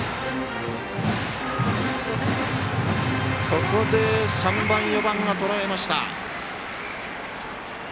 ここで、３番、４番がとらえました。